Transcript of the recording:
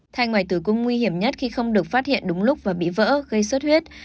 thai ngoài tử cung nguy hiểm nhất khi không được phát hiện đúng lúc và bị vỡ gây sốt huyết